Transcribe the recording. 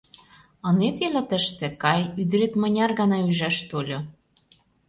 Ынет иле тыште — кай, ӱдырет мыняр гана ӱжаш тольо?